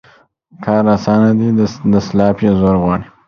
کار اسانه دى ، دسلاپ يې زور غواړي.